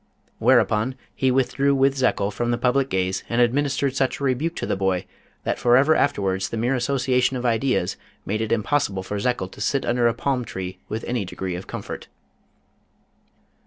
Whereupon he withdrew with Zekel from the public gaze and administered such a rebuke to the boy that forever afterwards the mere association of ideas made it impossible for Zekel to sit under a palm tree with any degree of comfort.